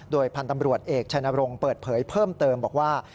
โดยพันธ์ตำรวจเอกชัยนรงค์เปิดเผยเพิ่มเติมบอกว่า